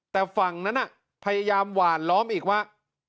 แต่ฝั่งนั้นพยายามหวานล้อมอีกว่า